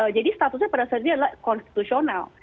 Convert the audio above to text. jadi statusnya pada saat ini adalah konstitusional